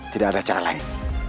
tidak ada cara lain